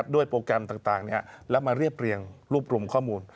โปรแกรมต่างแล้วมาเรียบเรียงรูปรวมข้อมูล